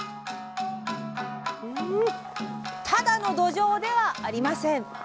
ただのどじょうではありません。